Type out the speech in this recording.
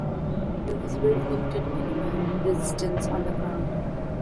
There was very limited enemy resistance on the ground.